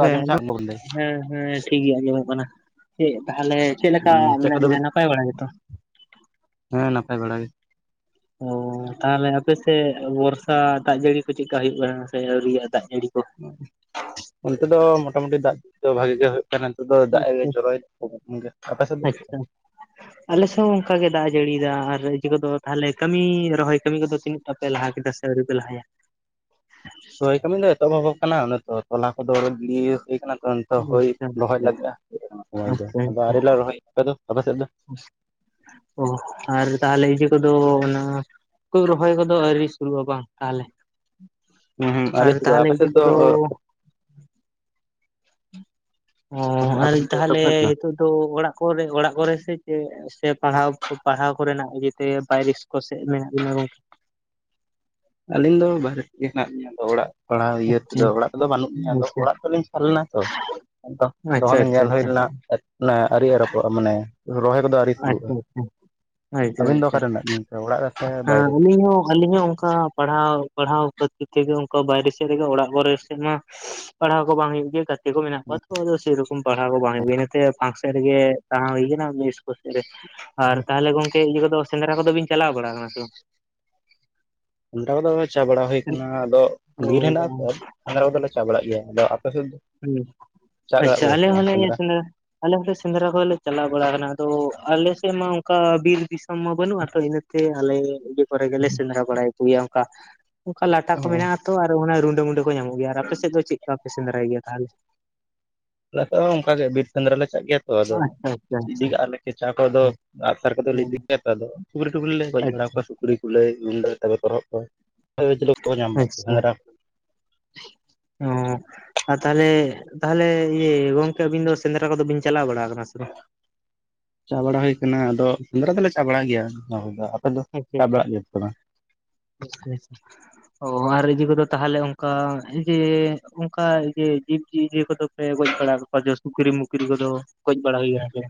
ᱟᱸᱡᱚᱢ ᱦᱮᱸ ᱪᱟᱜ ᱵᱚᱞᱮ ᱦᱮᱸ ᱾ ᱴᱷᱤᱠ ᱜᱮᱭᱟ ᱟᱸᱡᱚᱢᱚᱜ ᱠᱟᱱᱟ ᱾ ᱪᱮᱫ ᱛᱟᱦᱚᱞᱮ ᱪᱮᱫ ᱞᱮᱠᱟ ᱪᱮᱫ ᱢᱮᱱᱟᱜ ᱠᱚᱫᱚ ᱢᱮᱭᱟ? ᱵᱤᱱ ᱱᱟᱯᱟᱭ ᱵᱟᱲᱟ ᱜᱮᱛᱚ ᱾ ᱦᱮᱸ ᱱᱟᱯᱟᱭ ᱵᱟᱲᱟ ᱜᱮ ᱾ ᱚᱻ ᱛᱟᱦᱚᱞᱮ ᱟᱯᱮ ᱥᱮᱫ ᱵᱚᱨᱥᱟ ᱫᱟᱜ ᱡᱟᱹᱲᱤ ᱠᱚ ᱪᱮᱫᱼᱠᱟ ᱦᱩᱭᱩᱜ ᱠᱟᱱᱟ ᱥᱮ ᱟᱹᱣᱨᱤᱭᱚᱜ ᱫᱟᱜ ᱡᱟᱹᱲᱤ ᱠᱚ? ᱚᱱᱛᱮ ᱫᱚ ᱢᱚᱴᱟᱢᱩᱴᱤ ᱫᱟᱜ ᱡᱟᱹᱲᱤ ᱫᱚ ᱵᱷᱟᱜᱤ ᱜᱮ ᱦᱩᱭᱩᱜ ᱾ ᱱᱤᱛᱚᱜ ᱫᱚ ᱫᱟᱜ ᱡᱚᱨᱚᱭᱮᱫᱟ ᱟᱯᱮ ᱥᱮᱫ ᱫᱚ ᱪᱮᱫ? ᱟᱪᱪᱷᱟ ᱟᱞᱮ ᱥᱮᱫ ᱦᱚᱸ ᱚᱱᱠᱟ ᱜᱮ ᱫᱟᱜ ᱡᱟᱹᱲᱤᱭᱮᱫᱟ ᱟᱨ ᱤᱭᱟᱹ ᱠᱚᱫᱚ ᱛᱟᱦᱚᱞᱮ ᱠᱟᱹᱢᱤ ᱨᱚᱦᱚᱭ ᱠᱟᱹᱢᱤ ᱠᱚᱫᱚ ᱛᱤᱱᱟᱹᱜ? ᱟᱯᱮ ᱞᱟᱦᱟ ᱠᱮᱫᱟ ᱥᱮ ᱟᱹᱣᱨᱤ ᱯᱮ ᱞᱟᱦᱟᱭᱟ? ᱨᱚᱭ ᱠᱟᱹᱢᱤ ᱫᱚ ᱮᱛᱚᱦᱚᱵᱵᱚᱜ ᱠᱟᱱᱟ ᱛᱚ ᱛᱚᱞᱟ ᱠᱚᱫᱚ ᱜᱮ ᱤᱭᱟᱹ ᱦᱩᱭ ᱟᱠᱟᱱᱟ ᱾ ᱱᱤᱛᱚ ᱫᱚ ᱦᱩᱲᱩ ᱟᱪᱪᱷᱟ ᱨᱚᱦᱚᱭ ᱞᱟᱹᱜᱤᱫᱼᱟ ᱟᱪᱪᱷᱟ ᱥᱚᱢ ᱫᱚ ᱟᱪᱪᱷᱟ ᱟᱮ ᱞᱮ ᱨᱚᱦᱚᱭ ᱫᱚ ᱟᱯᱮ ᱥᱮᱫ ᱫᱚ ᱚ ᱟᱨ ᱛᱟᱦᱚᱞᱮ ᱤᱡᱮ ᱠᱚᱫᱚ ᱚᱱᱟ ᱨᱚᱦᱚᱭ ᱠᱚᱫᱚ ᱟᱹᱣᱨᱤ ᱥᱩᱨᱩᱜᱼᱟ ᱵᱟᱝ ᱛᱟᱦᱚᱞᱮ ᱦᱩᱸ ᱦᱩᱸ ᱟᱹᱣᱨᱤ ᱟᱨ ᱥᱩᱨᱩᱜᱼᱟ ᱛᱟᱦᱚᱞᱮ ᱟᱯᱮ ᱤᱭᱟᱹ ᱥᱮᱫ ᱫᱚ ᱠᱚᱫᱚ ᱚ ᱟᱯᱮ ᱟᱨ ᱥᱮᱫ ᱫᱚ ᱮᱛᱚᱦᱚᱵ ᱛᱟᱦᱚᱞᱮ ᱮᱱᱟ ᱦᱤᱛᱚ ᱛᱚ ᱚᱲᱟᱜ ᱠᱚᱨᱮ ᱚᱲᱟᱜ ᱠᱚᱨᱮ ᱥᱮ ᱪᱮᱫ ᱥᱮ ᱯᱟᱲᱦᱟᱣ ᱯᱟᱲᱦᱟᱣ ᱠᱚᱨᱮ ᱱᱟᱜ ᱛᱮ ᱵᱟᱭᱨᱮ ᱠᱚ ᱥᱮᱫ ᱢᱮᱱᱟᱜ ᱵᱤᱱᱟ ᱜᱚᱝᱠᱮ᱾ ᱟᱹᱞᱤᱧ ᱫᱚ ᱵᱟᱨᱦᱨᱮ ᱛᱮᱜᱮ ᱦᱮᱱᱟᱜ ᱞᱤᱧᱟ ᱟᱫᱚ ᱚᱲᱟᱜ ᱯᱟᱲᱦᱟᱣ ᱤᱭᱟᱹ ᱛᱮ ᱫᱚ ᱚᱲᱟᱜ ᱠᱚᱫᱚ ᱵᱟᱹᱱᱩᱜ ᱞᱤᱧᱟ ᱟᱫᱚ ᱚᱲᱟᱜ ᱛᱚ ᱞᱤᱧ ᱪᱟᱞᱟᱣ ᱞᱮᱱᱟ ᱛᱚ ᱾ ᱟᱪᱪᱷᱟ ᱫᱚᱚᱱᱮ ᱟᱪᱪᱷᱟ ᱧᱮᱞ ᱦᱩᱭ ᱟᱪᱪᱷᱟ ᱞᱮᱱᱟ ᱟᱨᱤᱭ ᱨᱚᱯᱚᱲᱼᱟ ᱢᱟᱱᱮ ᱨᱚᱦᱚᱭ ᱠᱚᱫᱚ ᱟᱹᱣᱨᱤ ᱥᱩᱨᱩᱜᱼᱟ ᱟᱪᱪᱷᱟ ᱟᱪᱪᱷᱟ ᱾ ᱟᱪᱪᱷᱟ ᱟᱹᱵᱤᱱ ᱫᱚ ᱟᱪᱪᱷᱟ ᱚᱠᱟᱨᱮ ᱢᱮᱱᱟᱜ ᱵᱤᱱᱟ ᱚᱲᱟᱜ ᱨᱮ ᱥᱮ ᱾ ᱦᱮᱸ ᱵᱟᱭᱨᱮ? ᱟᱹᱞᱤᱧ ᱦᱚᱸ ᱟᱹᱞᱤᱧ ᱦᱚᱸ ᱚᱱᱠᱟ ᱯᱟᱲᱦᱟᱣ ᱯᱟᱲᱦᱟᱣ ᱠᱷᱟᱹᱛᱤᱨ ᱜᱮ ᱚᱱᱠᱟ ᱵᱟᱭᱨᱮ ᱥᱮᱫ ᱨᱮ ᱜᱮ ᱚᱲᱟᱜ ᱠᱚᱨᱮ ᱥᱮᱫ ᱢᱟ ᱯᱟᱲᱦᱟᱣ ᱠᱚ ᱵᱟᱝ ᱦᱩᱭᱩᱜ ᱜᱮᱭᱟ ᱾ ᱪ ᱠᱚ ᱢᱮᱱᱟᱜ ᱠᱚᱣᱟ ᱛᱚ ᱟᱫᱚ ᱥᱮᱨᱚᱠᱚᱢ ᱯᱟᱲᱦᱟᱣ ᱠᱚ ᱵᱟᱝ ᱦᱩᱭᱩᱜᱼᱟ ᱤᱱᱟᱛᱮ ᱯᱷᱟᱱᱥᱮᱱ ᱨᱮ ᱜᱮ ᱛᱟᱦᱮᱸ ᱦᱩᱭᱠ ᱟᱨ ᱛᱟᱦᱚᱞᱮ ᱜᱚᱝᱠᱮ ᱤᱭᱟᱹ ᱠᱚᱫᱚ ᱥᱮᱸᱫᱽᱨᱟ ᱠᱚᱫᱚ ᱵᱤᱱ ᱪᱟᱞᱟᱣ ᱵᱟᱲᱟ ᱟᱠᱟᱱᱟ ᱥᱮ ᱵᱟᱝ? ᱚᱱᱴᱟ ᱠᱚᱫᱚ ᱪᱟ ᱵᱟᱲᱟ ᱦᱩᱭ ᱟᱠᱟᱱᱟ ᱟᱫᱚ ᱚ ᱵᱤᱨ ᱦᱮᱱᱟᱜ ᱛᱚ ᱥᱟᱸᱫᱽᱨᱟ ᱠᱚ ᱫᱚ ᱞᱮ ᱪᱟ ᱵᱟᱲᱟᱜ ᱜᱮᱭᱟ ᱟᱫᱚ ᱟᱯᱮ ᱥᱮᱫ ᱫᱚ? ᱦᱚ ᱪᱟᱜ ᱵᱟᱲᱟᱜ ᱟᱪᱪᱷᱟ ᱯᱮ ᱟᱞᱮ ᱥᱮ ᱦᱚᱸ ᱵᱟᱝ ᱞᱮ ᱥᱮᱸᱫᱽᱨᱟ? ᱟᱞᱮ ᱦᱚᱸ ᱞᱮ ᱥᱮᱸᱫᱽᱨᱟ ᱠᱚᱞᱮ ᱪᱟᱞᱟᱣ ᱵᱟᱲᱟ ᱟᱠᱟᱱᱟ ᱟᱫᱚ ᱟᱞᱮ ᱥᱮᱫ ᱢᱟ ᱚᱱᱠᱟ ᱵᱤᱨ ᱫᱤᱥᱚᱢ ᱢᱟ ᱵᱟᱹᱱᱩᱜᱼᱟ ᱛᱚ ᱤᱱᱟᱹ᱾ ᱟᱞᱮ ᱠᱚᱨᱮ ᱜᱮ ᱞᱮ ᱥᱮᱸᱫᱽᱨᱟ ᱵᱟᱲᱟᱭ ᱜᱤᱭᱟ ᱚᱱᱠᱟ ᱚᱱᱠᱟ ᱞᱟᱴᱟ ᱚ ᱠᱚ ᱢᱮᱱᱟᱜ-ᱟ ᱛᱚ ᱟᱨ ᱚᱱᱟ ᱨᱩᱸᱰᱟᱹ ᱢᱩᱸᱰᱟᱹ ᱠᱚ ᱧᱟᱢᱚᱜ ᱜᱮᱭᱟ ᱟᱨ ᱟᱯᱮ ᱥᱮᱫ ᱫᱚ ᱪᱮᱫ ᱞᱮᱠᱟ ᱯᱮ ᱥᱮᱸᱫᱽᱨᱟᱭ ᱜᱮᱭᱟ ᱛᱟᱦᱚᱞᱮ? ᱟᱞᱮ ᱥᱮᱫ ᱦᱚᱸ ᱚᱱᱠᱟ ᱜᱮ ᱵᱤᱨ ᱥᱮᱸᱫᱽᱨᱟ ᱞᱮ ᱪᱟᱞᱟᱜ ᱜᱮᱭᱟ ᱛᱚ ᱟᱫᱚ ᱟᱪᱪᱷᱟ ᱟᱪᱪᱷᱟ ᱤᱫᱤ ᱟᱪᱪᱷᱟ ᱠᱟᱜᱼᱟᱞᱮ ᱠᱮᱪᱟ ᱠᱚᱫᱚ ᱦᱮᱸ ᱟᱜᱥᱟᱨ ᱠᱚᱫᱚ ᱞᱮ ᱦᱮᱸ ᱤᱫᱤ ᱚᱠᱟ ᱫᱚ ᱥᱩᱠᱨᱤ ᱴᱩᱠᱨᱤ ᱞᱮ ᱜᱚᱡ ᱵᱟᱲᱟ ᱟᱪᱪᱷᱟ ᱠᱚᱣᱟ ᱥᱩᱠᱨᱤ ᱠᱩᱞᱟᱹᱭ ᱨᱩᱸᱰᱟᱹ ᱛᱟᱯᱚᱨᱮ ᱛᱚᱨᱚᱦᱚᱜ ᱠᱚ ᱧᱟᱢ ᱟᱪᱪᱷᱟ ᱚ ᱟᱨ ᱛᱟᱦᱚᱞᱮ ᱛᱟᱦᱚᱞᱮ ᱤᱭᱟᱹ ᱜᱚᱝᱠᱮ ᱟᱹᱵᱤᱱ ᱫᱚ ᱥᱮᱸᱫᱽᱨᱟ ᱠᱚ ᱫᱚ ᱵᱤᱱ ᱪᱟᱞᱟᱣ ᱵᱟᱲᱟ ᱟᱠᱟᱱᱟ ᱥᱮ ᱵᱟᱝ? ᱪᱟ ᱵᱟᱲᱟ ᱦᱩᱭ ᱟᱠᱟᱱᱟ ᱟᱫᱚ ᱥᱮᱸᱫᱽᱨᱟ ᱫᱚᱞᱮ ᱪᱟ ᱵᱟᱲᱟᱜ ᱜᱮᱭᱟ ᱾ [unintelligible] ᱚ ᱟᱨ ᱤᱭᱟᱹ ᱠᱚᱫᱚ ᱛᱟᱦᱚᱞᱮ ᱚᱱᱠᱟ ᱡᱮ ᱚᱱᱠᱟ ᱡᱮ ᱡᱤᱵᱽ ᱡᱤᱭᱟᱹᱞᱤ ᱠᱚᱫᱚ ᱞᱮ ᱜᱚᱡ ᱵᱟᱲᱟ ᱠᱚᱣᱟ ᱡ ᱥᱩᱠᱨᱤ ᱢᱩᱩᱠᱨᱤ ᱠᱚᱫᱚ ᱜᱚᱡ ᱵᱟᱲᱟ ᱦᱩᱭᱩᱜ-ᱟ ᱥᱮᱮ